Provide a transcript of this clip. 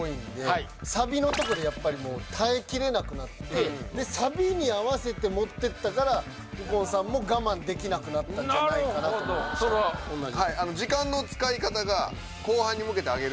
やっぱサビのとこでやっぱりもう耐えきれなくなってでサビに合わせて持ってったから右近さんも我慢できなくなったんじゃないかなとなるほどそれは同じ？